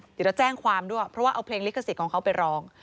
เดี๋ยวเราแจ้งความด้วยเพราะว่าเอาเพลงลิขสิทธิ์ของเขาไปร้อง